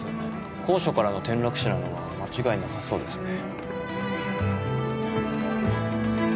高所からの転落死なのは間違いなさそうですね。